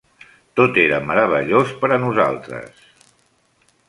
Tot era meravellós per a nosaltres.